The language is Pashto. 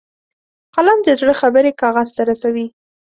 قلم د زړه خبرې کاغذ ته رسوي